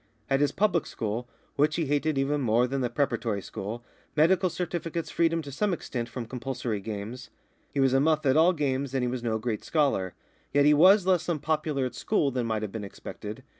At his public school, which he hated even more than the preparatory school, medical certificates freed him to some extent from compulsory games. He was a muff at all games, and he was no great scholar; yet he was less unpopular at school than might have been expected.